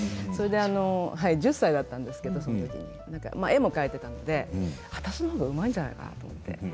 それで１０歳だったんですけどその時絵も描いていたので私の方がうまいんじゃないかなと思って。